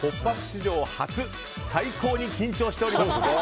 史上初最高に緊張しております。